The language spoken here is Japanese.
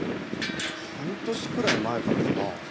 半年くらい前からかな。